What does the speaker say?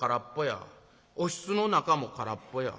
おひつの中も空っぽや。